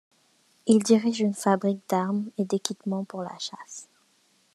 Il dirige une fabrique d’arme et d’équipement pour la chasse.